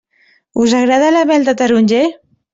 Us agrada la mel de taronger?